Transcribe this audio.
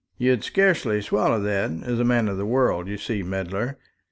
You'd scarcely swallow that, as a man of the world, you see, Medler.